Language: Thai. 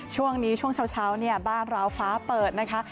ช่วงนี้ช่วงเช้าเนี่ยบ้านเราฟ้าเปิดนะคะ